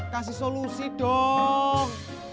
kasih solusi dong